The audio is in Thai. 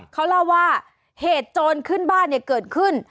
เขาเล่าว่าเหตุโจรขึ้นบ้านเกิดขึ้น